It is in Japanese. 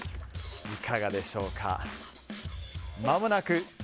いかがでしょうか。